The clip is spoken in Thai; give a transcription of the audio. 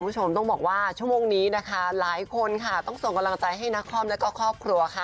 คุณผู้ชมต้องบอกว่าชั่วโมงนี้นะคะหลายคนค่ะต้องส่งกำลังใจให้นักคอมแล้วก็ครอบครัวค่ะ